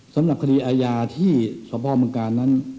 สำหรับคดีอาญาที่สพเมืองกาลนั้น